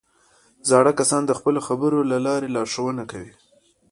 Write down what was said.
زاړه کسان د خپلو خبرو له لارې لارښوونه کوي